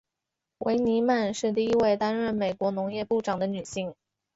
维尼曼是第一位担任美国农业部长的女性。